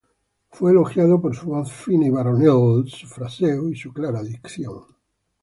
Fue elogiado por su voz fina y varonil, su fraseo y su clara dicción.